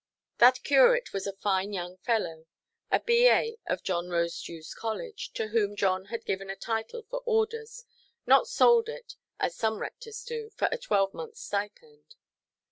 That curate was a fine young fellow, a B.A. of John Rosedewʼs college, to whom John had given a title for orders—not sold it, as some rectors do, for a twelvemonthʼs stipend.